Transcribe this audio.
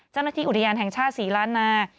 เจ้าหน้าที่อุทยานแห่งชาติศรีล้านนา